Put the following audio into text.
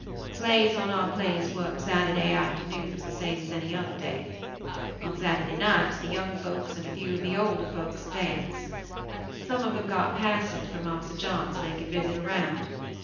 Slaves on our place worked Saturday afternoons the same as any other day. On Saturday nights the young folks and a few of the older folks danced. Some of them got passes from Marse John so they could visit around.